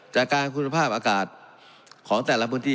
จากการคุณภาพอากาศของแต่ละพื้นที่